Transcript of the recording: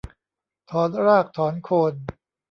ถอนรากถอนโคน